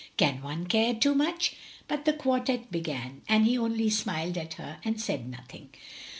"Can one care too much?" But the quartette began ; and he only smiled at her, and said nothing.